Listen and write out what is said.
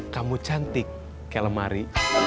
kamu cantik kayak lemari